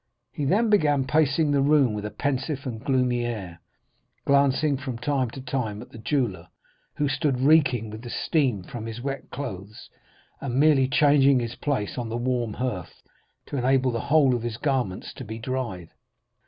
He then began pacing the room with a pensive and gloomy air, glancing from time to time at the jeweller, who stood reeking with the steam from his wet clothes, and merely changing his place on the warm hearth, to enable the whole of his garments to be dried.